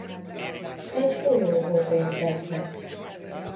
Egy folyóhoz érkeznek.